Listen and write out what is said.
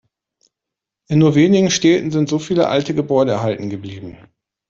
In nur wenigen Städten sind so viele alte Gebäude erhalten geblieben.